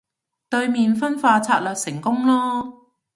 對面分化策略成功囉